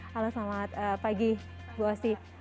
halo selamat pagi ibu osi